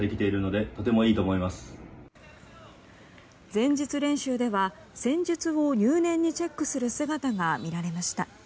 前日練習では戦術を入念にチェックする姿が見られました。